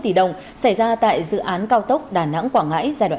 bốn trăm sáu mươi tỷ đồng xảy ra tại dự án cao tốc đà nẵng quảng ngãi giai đoạn hai